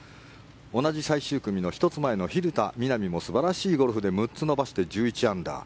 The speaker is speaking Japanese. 同じ最終組の１つ前の蛭田みな美も素晴らしいゴルフで６つ伸ばして１１アンダー。